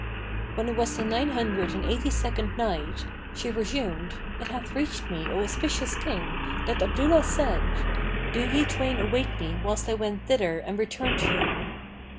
When it was the Nine Hundred and Eighty second Night, She resumed, It hath reached me, O auspicious King, that Abdullah said, "'Do ye twain await me whilst I wend thither and return to you.'"